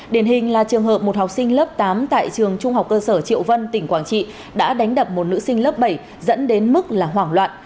điển hình là trường hợp một học sinh lớp tám tại trường trung học cơ sở triệu vân tỉnh quảng trị đã đánh đập một nữ sinh lớp bảy dẫn đến mức là hoảng loạn